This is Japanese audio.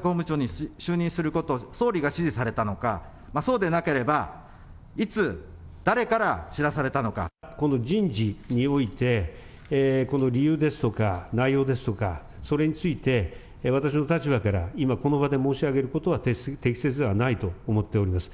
本部長に就任すること、総理が指示されたのか、そうでなければ、この人事において、この理由ですとか、内容ですとか、それについて、私の立場から今この場で申し上げることは適切ではないと思っております。